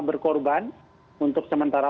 berkorban untuk sementara